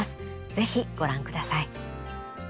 是非ご覧ください。